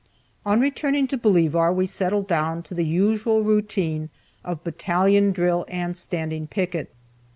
On returning to Bolivar we settled down to the usual routine of battalion drill and standing picket.